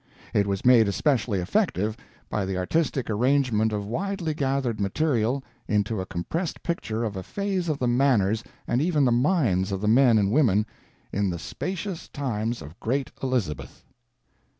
It was made especially effective by the artistic arrangement of widely gathered material into a compressed picture of a phase of the manners and even the minds of the men and women "in the spacious times of great Elizabeth."